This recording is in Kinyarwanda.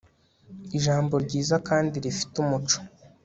ijambo ryiza kandi rifite umuco